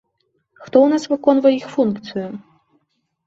Хто ў нас выконвае іх функцыю?